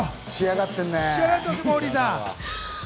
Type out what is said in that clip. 仕上がってるね。